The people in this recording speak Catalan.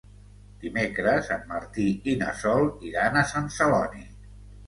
Dimecres en Martí i na Sol iran a Sant Celoni.